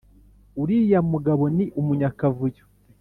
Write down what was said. uriya mugabo ni umunyakavuyo